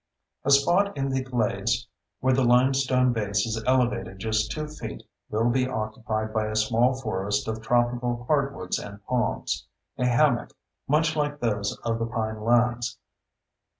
A spot in the glades where the limestone base is elevated just 2 feet will be occupied by a small forest of tropical hardwoods and palms—a "hammock" much like those of the pinelands.